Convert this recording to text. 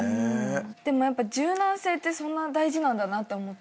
でもやっぱ柔軟性ってそんな大事なんだなって思って。